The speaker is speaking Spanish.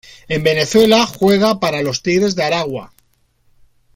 En Venezuela juega para los Tigres de Aragua.